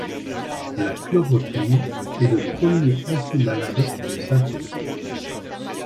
La chloroquine est le premier antimalarique de synthèse.